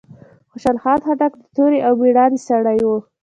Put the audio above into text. خوشحال خان خټک د توری او ميړانې سړی وه.